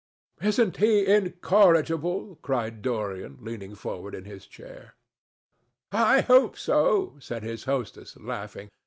"Isn't he incorrigible?" cried Dorian, leaning forward in his chair. "I hope so," said his hostess, laughing.